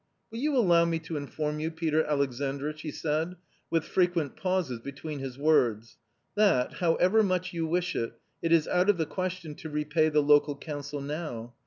"Will you allow me to inform you, Peter Alexandritch," he said, with frequent pauses between his words, "that, however much you wish it, it is out of the question to repay the local council now.